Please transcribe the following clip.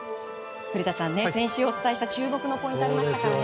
古田さん、先週お伝えした注目ポイントがありましたよね。